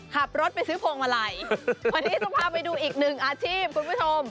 ขับรถไปซื้อพวงมาลัยวันนี้จะพาไปดูอีกหนึ่งอาชีพคุณผู้ชม